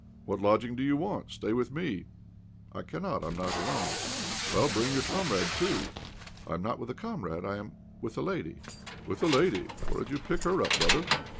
"What, lodging do you want? Stay with me." "I cannot. I am not alone." "Well, bring your comrade too." "I am not with a comrade. I am with a lady." "With a lady where did you pick her up, brother?"